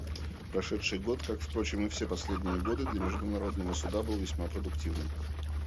Прошедший год, как, впрочем, и все последние годы, для Международного Суда был весьма продуктивным.